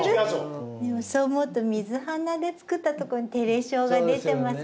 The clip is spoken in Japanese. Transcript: そう思うと「水洟」で作ったとこにてれ性が出てますね。